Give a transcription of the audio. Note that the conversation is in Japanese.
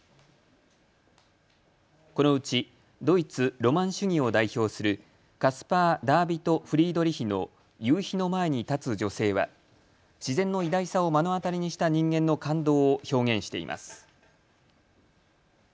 このうちドイツ・ロマン主義を代表するカスパー・ダーヴィト・フリードリヒの夕日の前に立つ女性は自然の偉大さを目の当たりにした人間の感動を表現しています。